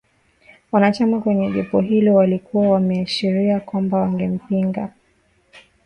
Wanachama kwenye jopo hilo walikuwa wameashiria kwamba wangempinga